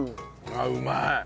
あっうまい！